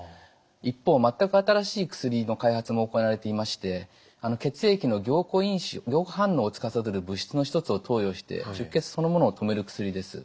一方全く新しい薬の開発も行われていまして血液の凝固因子凝固反応をつかさどる物質の一つを投与して出血そのものを止める薬です。